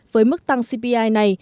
với mức tăng cpi này